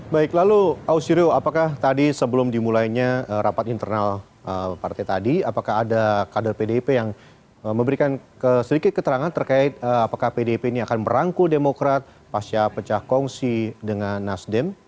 baik lalu ausirio apakah tadi sebelum dimulainya rapat internal partai tadi apakah ada kader pdip yang memberikan sedikit keterangan terkait apakah pdip ini akan merangkul demokrat pasca pecah kongsi dengan nasdem